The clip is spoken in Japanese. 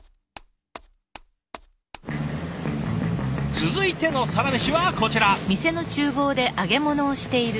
続いてのサラメシはこちら！